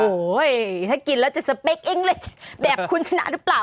โอ้โหถ้ากินแล้วจะสเปคอิ้งเลยแบบคุณชนะหรือเปล่า